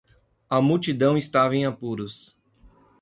A multidão estava em apuros.